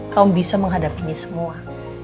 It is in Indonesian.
kau bisa menghadapi ini semua